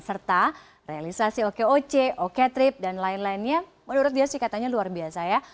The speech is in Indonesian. serta realisasi oke oke trip dan lain lainnya menurut dia sih katanya luar biasa ya